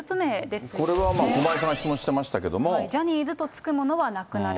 これは駒井さん、質問してまジャニーズと付くものはなくなる。